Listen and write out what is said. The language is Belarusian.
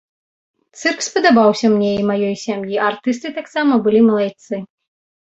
Цырк спадабаўся мне і маёй сям'і, артысты таксама былі малайцы.